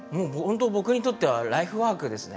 僕にとってはライフワークですね。